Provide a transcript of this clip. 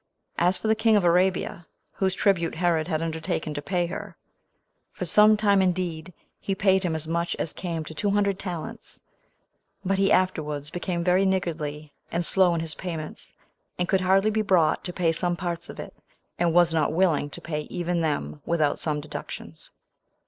As for the king of Arabia, whose tribute Herod had undertaken to pay her, for some time indeed he paid him as much as came to two hundred talents; but he afterwards became very niggardly and slow in his payments, and could hardly be brought to pay some parts of it, and was not willing to pay even them without some deductions.